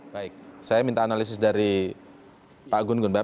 baik saya minta analisis dari pak gun gun